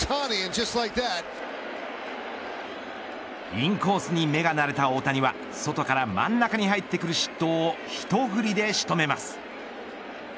インコースに目が慣れた大谷は外から真ん中に入ってくる失投を一振りで仕留めます。